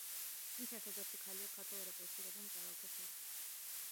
ის ერთადერთი ქალია ქართველ რეპრესირებულ მწერალთა შორის.